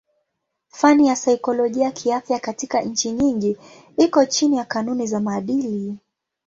Fani ya saikolojia kiafya katika nchi nyingi iko chini ya kanuni za maadili.